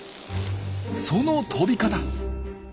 その飛び方。